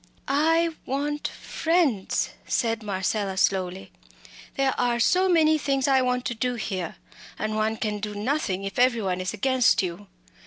"I want friends!" said Marcella, slowly. "There are so many things I want to do here, and one can do nothing if every one is against you.